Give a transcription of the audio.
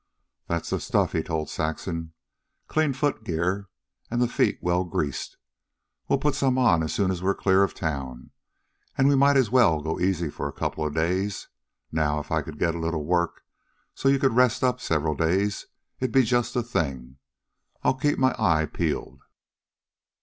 "That's the stuff," he told Saxon. "Clean foot gear and the feet well greased. We'll put some on as soon as we're clear of town. An' we might as well go easy for a couple of days. Now, if I could get a little work so as you could rest up several days it'd be just the thing. I 'll keep my eye peeled."